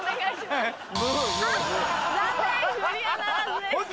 残念クリアならずです。